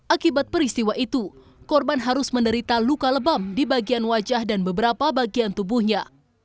akibat peristiwa itu korban harus menderita luka lebam di bagian wajah dan beberapa bagian tubuhnya